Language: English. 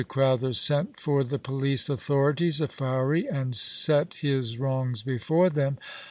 Crowther sent for the police authorities of Fowey, and set his wrongs before them.